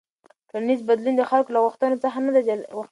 ټولنیز بدلون د خلکو له غوښتنو نه جلا نه کېږي.